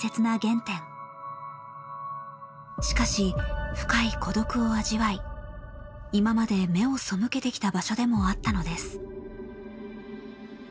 しかし深い孤独を味わい今まで目を背けてきた場所でもあったのです。